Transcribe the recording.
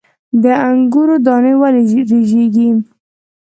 د انګورو دانې ولې رژیږي؟